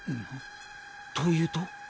というと？